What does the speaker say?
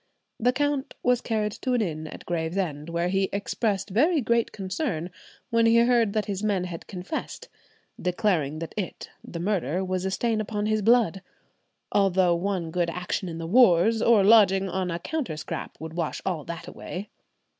The count was carried to an inn in Gravesend, where he expressed very great concern when he heard that his men had confessed; declaring that it (the murder) was a stain upon his blood, "although one good action in the wars, or lodging on a counterscrap, would wash all that away."